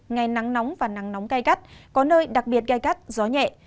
ngày nắng nóng và nắng nóng gai gắt có nơi đặc biệt gai gắt gió nhẹ